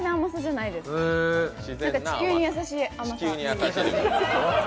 何か地球に優しい甘さ。